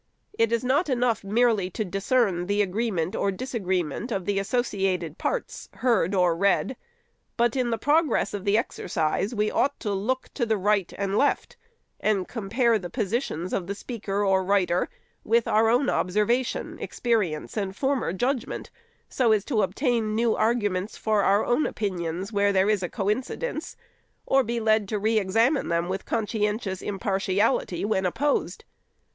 It is not enough merely to discern the agreement or disagreement of the associated parts, heard or read ; but in the progress of the exercise, we ought to look to the right and left, and compare the positions of the speaker or writer with our own observation, experi ence and former judgment, so as to obtain new argu ments for our own opinions where there is a coincidence, 548 THE SECRETARY'S and be led to re examine them with conscientious impar tiality when opposed.